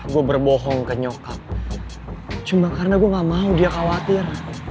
gue berbohong ke nyokap cuma karena gue gak mau dia khawatir